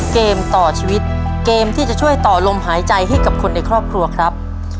เกมต่อชีวิตเกมที่จะช่วยต่อลมหายใจให้กับคนในครอบครัวครับ